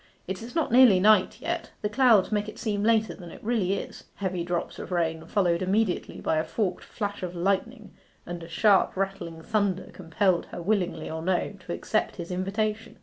It is not nearly night yet. The clouds make it seem later than it really is.' Heavy drops of rain, followed immediately by a forked flash of lightning and sharp rattling thunder compelled her, willingly or no, to accept his invitation.